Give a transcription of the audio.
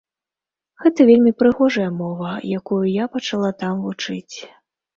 Гэта вельмі прыгожая мова, якую я пачала там вучыць.